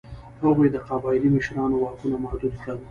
هغوی د قبایلي مشرانو واکونه محدود کړل.